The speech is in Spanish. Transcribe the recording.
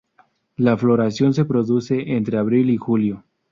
La floración se produce entre abril y julio.